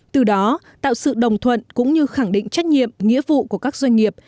từ đó tạo sự đồng thuận cũng như khẳng định trách nhiệm nghĩa vụ của các doanh nghiệp